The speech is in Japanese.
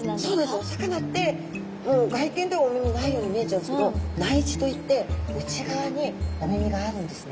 お魚ってもう外見ではお耳ないように見えちゃうんですけど内耳といって内側にお耳があるんですね。